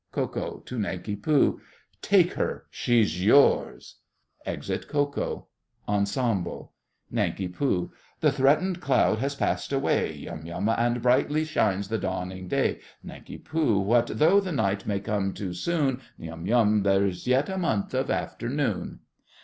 KO. (to Nanki Poo). Take her—she's yours! [Exit Ko Ko ENSEMBLE. NANKI POO. The threatened cloud has passed away, YUM YUM. And brightly shines the dawning day; NANKI POO. What though the night may come too soon, YUM YUM. There's yet a month of afternoon!